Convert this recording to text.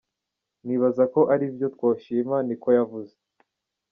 Nibaza ko ari vyo twoshima," ni ko yavuze.